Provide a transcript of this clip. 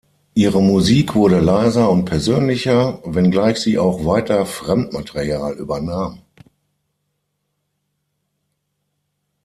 Ihre Musik wurde leiser und persönlicher, wenngleich sie auch weiter Fremdmaterial übernahm.